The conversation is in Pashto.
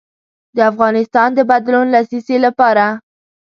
د افغانستان د بدلون لسیزې لپاره.